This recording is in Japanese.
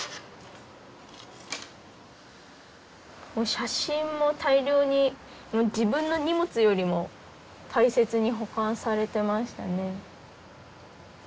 写真も大量に自分の荷物よりも大切に保管されてましたね。